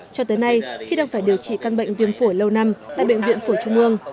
cho tới nay khi đang phải điều trị căn bệnh viêm phổi lâu năm tại bệnh viện phổi trung ương